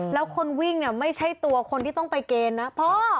แล้วคนวิ่งเนี่ยไม่ใช่ตัวคนที่ต้องไปเกณฑ์นะพ่อ